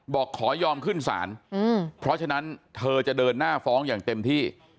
บอกขอยอมขึ้นศาลเพราะฉะนั้นเธอจะเดินหน้าฟ้องอย่างเต็มที่